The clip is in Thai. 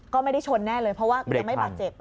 ก็ไม่ได้ชนแน่เลยเพราะว่ายังไม่บาดเจ็บ